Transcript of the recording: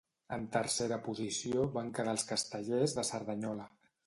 En tercera posició van quedar els Castellers de Cerdanyola.